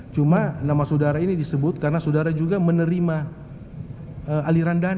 cuma nama saudara ini disebut karena saudara juga menerima aliran dana